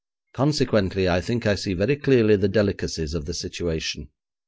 Consequently, I think I see very clearly the delicacies of the situation.